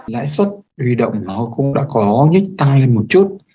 lãi suất huy động nó cũng đã có nhích tăng lên một chút